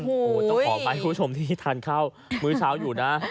โอ้โหต้องขออภัยคุณผู้ชมที่ทานข้าวมื้อเช้าอยู่นะ